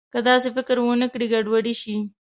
که داسې فکر ونه کړي، ګډوډ شي.